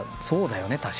そうだよね